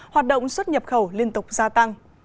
hoạt động xuất nhập khẩu liên tục gia tăng